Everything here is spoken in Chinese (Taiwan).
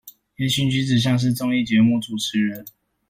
言行舉止像是綜藝節目主持人